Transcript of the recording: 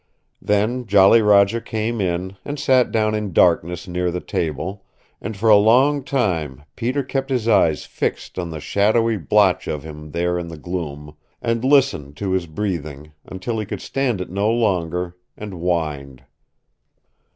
Then Jolly Roger came in, and sat down in darkness near the table, and for a long time Peter kept his eyes fixed on the shadowy blotch of him there in the gloom, and listened to his breathing, until he could stand it no longer, and whined.